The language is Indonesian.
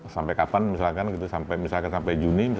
sampai kapan misalkan sampai juni